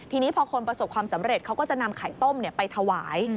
ทีนี้พอคนประสบความสำเร็จเขาก็จะนำไข่ต้มไปถวาย